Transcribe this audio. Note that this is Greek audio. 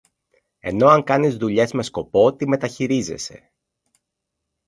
ενώ αν κάνεις δουλειές με σκοπό, τη μεταχειρίζεσαι.